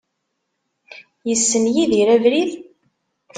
Yessen Yidir abrid?